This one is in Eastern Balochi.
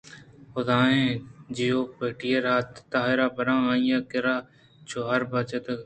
حُدائیں جیوپیٹرءِ تاہیر ءَ بر ان آئی ءَ کَرّ ءُ جَرّکننت